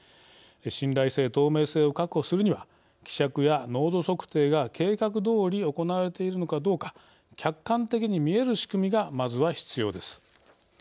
信頼性・透明性を確保するには希釈や濃度測定が計画どおり行われているのかどうか客観的に見える仕組みがまずは必要です。